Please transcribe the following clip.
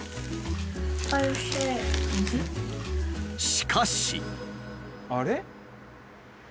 しかし。